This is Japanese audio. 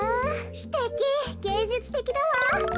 すてきげいじゅつてきだわ。